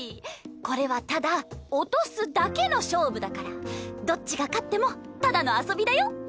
これはただ落とすだけの勝負だからどっちが勝ってもただの遊びだよ。